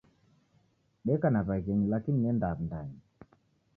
Deka na waghenyi lakini nienda Wundanyi.